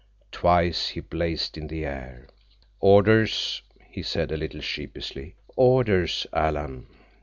Twice he blazed in the air. "Orders," he said a little sheepishly. "Orders, Alan!"